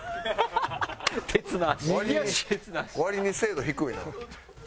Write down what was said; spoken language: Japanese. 割に精度低いな。